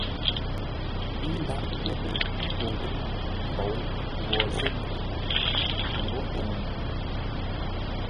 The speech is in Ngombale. N ndáʼ ghô ghíʼ o ghʉ́ mbǒu ghwǒ zô mô? a ghô ə̂ŋ.